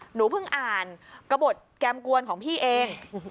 หนูเพิ่งอ่านกระบดแกมกวนของพี่เอง